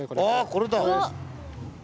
あこれだ。